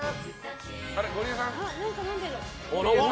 何か飲んでる。